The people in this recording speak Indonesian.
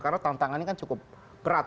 karena tantangannya kan cukup berat